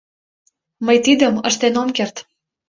— Мый тидым ыштен ом керт.